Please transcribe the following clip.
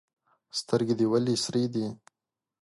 سترګي دي ولي سرې دي؟